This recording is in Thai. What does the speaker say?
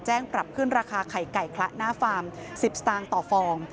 ปรับขึ้นราคาไข่ไก่คละหน้าฟาร์ม๑๐สตางค์ต่อฟอง